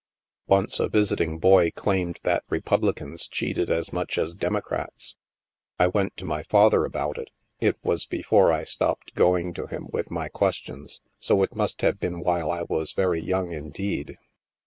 Once a visiting boy claimed that Republicans cheated as much as Democrats. I went to my father about it ; it was before I stopped going to him with my ques tions, so it must have been while I was very young indeed.